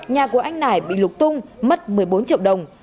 nhà của anh nải bị lục tung mất một mươi bốn triệu đồng